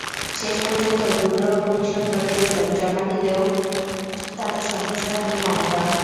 শেষ পর্যন্ত রুদ্র কমিশন প্রতিবেদন জমা দিলেও তাতে সন্তুষ্ট হননি মমতা।